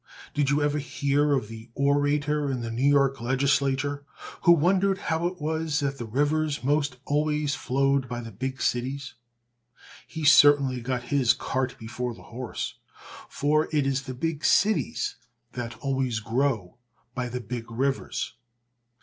Did you ever hear of the orator in the New York Legislature, who wondered how it was that the rivers most always flowed by the big cities? He certainly got his "cart before the horse," for it is the big cities that always grow by the big rivers.